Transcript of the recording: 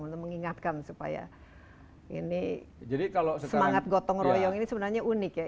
untuk mengingatkan supaya ini semangat gotong royong ini sebenarnya unik ya